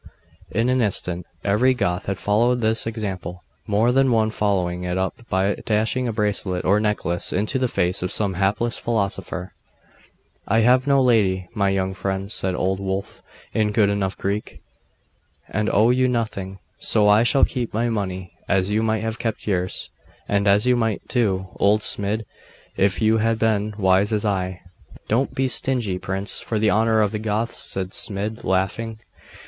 In an instant every Goth had followed his example: more than one following it up by dashing a bracelet or necklace into the face of some hapless philosophaster. 'I have no lady, my young friends,' said old Wulf, in good enough Greek, 'and owe you nothing: so I shall keep my money, as you might have kept yours; and as you might, too, old Smid, if you had been as wise as I.' 'Don't be stingy, prince, for the honour of the Goths,' said Smid, laughing.